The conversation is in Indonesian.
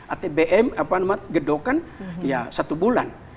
atbm gedokan satu bulan